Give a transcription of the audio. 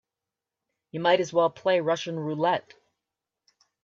You might as well play Russian roulette.